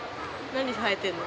何生えてんの？